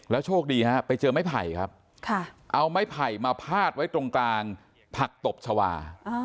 โชคดีฮะไปเจอไม้ไผ่ครับเอาไม้ไผ่มาพาดไว้ตรงกลางผักตบชาวา